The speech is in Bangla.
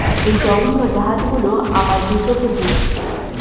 এই জঘন্য জাহাজগুলো আমার দু চোখের বিষ।